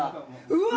うわ！